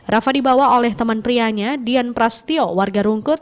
rafa dibawa oleh teman prianya dian prastyo warga rungkut